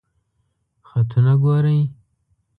خطونه ګوری؟